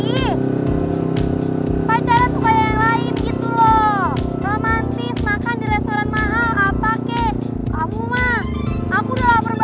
beb kamu dengerin gak sih aku ngomong apa